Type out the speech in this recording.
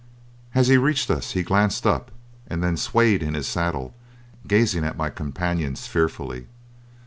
As he reached us he glanced up and then swayed in his saddle, gazing at my companions fearfully.